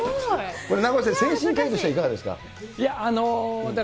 これ、名越先生、精神科医としてはいかがですか？